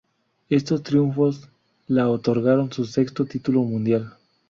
Estos triunfos la otorgaron su sexto título mundial.